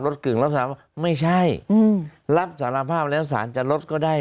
กึ่งรับสารภาพว่าไม่ใช่อืมรับสารภาพแล้วสารจะลดก็ได้